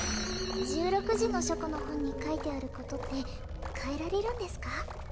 １６時の書庫の本に書いてあることって変えられるんですか？